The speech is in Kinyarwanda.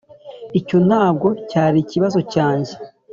icyo ntabwo cyari ikibazo cyanjye.